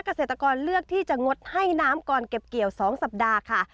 เกษตรกรเลือกที่จะงดให้น้ำก่อนเก็บเกี่ยว๒สัปดาห์ค่ะ